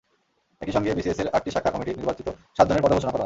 একই সঙ্গে বিসিএসের আটটি শাখা কমিটির নির্বাচিত সাতজনের পদও ঘোষণা করা হয়।